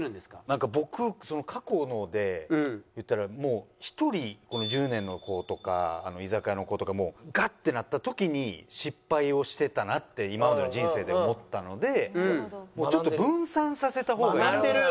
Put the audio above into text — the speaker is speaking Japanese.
なんか僕過去ので言ったらもう１人この１０年の子とか居酒屋の子とかもうガッてなった時に失敗をしてたなって今までの人生で思ったのでちょっと分散させた方がいいかなと思って。